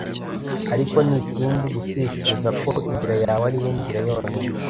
ariko ni ikindi gutekereza ko inzira yawe ari yo nzira yonyine